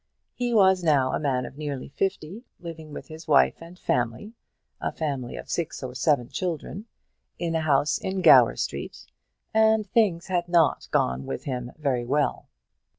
He was now a man of nearly fifty, living with his wife and family, a family of six or seven children, in a house in Gower Street, and things had not gone with him very well.